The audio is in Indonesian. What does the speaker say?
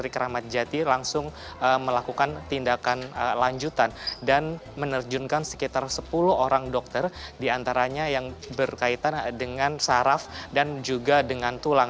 dari keramat jati langsung melakukan tindakan lanjutan dan menerjunkan sekitar sepuluh orang dokter diantaranya yang berkaitan dengan saraf dan juga dengan tulang